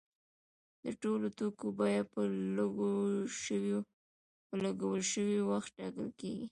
د ټولو توکو بیه په لګول شوي وخت ټاکل کیږي.